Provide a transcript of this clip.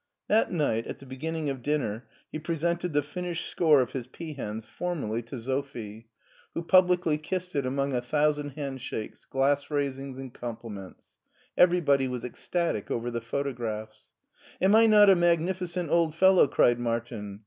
That night, at the beginning of dinner, he presented the finished score of his peahens formally to Sophie, SCHWARZWALD 307 who publicly kissed it among a thousand hand shakes, glass raisings, and compliments. Everybody was ecstatic over the photographs. " Am I not a magnificent old fellow ?" cried Martin.